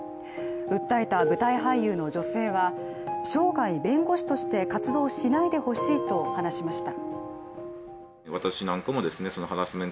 訴えた舞台俳優の女性は生涯弁護士として活動しないでほしいと話しました。